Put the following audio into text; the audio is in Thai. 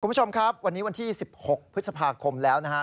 คุณผู้ชมครับวันนี้วันที่๑๖พฤษภาคมแล้วนะฮะ